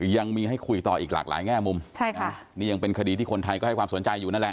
ยังมีให้คุยต่ออีกหลากหลายแง่มุมใช่ค่ะนี่ยังเป็นคดีที่คนไทยก็ให้ความสนใจอยู่นั่นแหละ